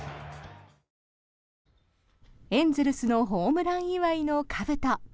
エンゼルスのホームラン祝いのかぶと。